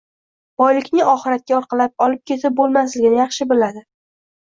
boylikni oxiratga orqalab olib ketib bo‘lmasligini yaxshi biladi.